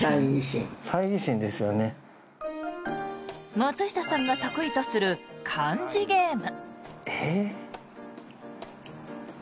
松下さんが得意とする漢字ゲーム。